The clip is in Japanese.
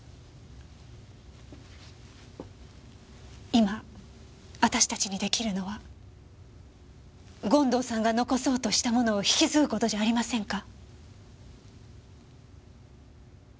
今私たちに出来るのは権藤さんが残そうとしたものを引き継ぐ事じゃありませんか？